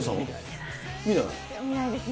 見ないですね。